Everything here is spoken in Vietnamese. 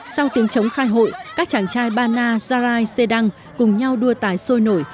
sau tiếng chống khai hội các chàng trai bana sarai sedang cùng nhau đua tài sôi nổi